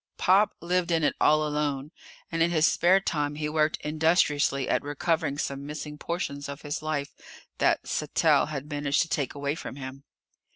Pop lived in it all alone, and in his spare time he worked industriously at recovering some missing portions of his life that Sattell had managed to take away from him.